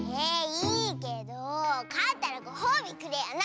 いいけどかったらごほうびくれよな！